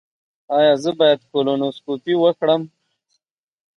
ایا زه باید کولونوسکوپي وکړم؟